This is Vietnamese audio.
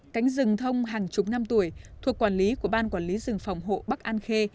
cánh rừng thông hàng chục năm tuổi thuộc quản lý của ban quản lý rừng phòng hộ bắc an khê